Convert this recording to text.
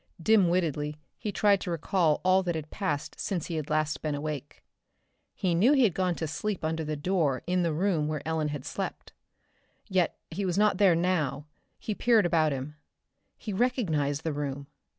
Dimwittedly he tried to recall all that had passed since he had last been awake. He knew he had gone to sleep under the door in the room where Ellen had slept. Yet he was not there now. He peered about him. He recognized the room.